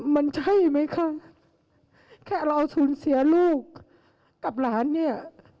มันใช่ไหมคะแค่เราสูญเสียลูกกับหลานเนี่ย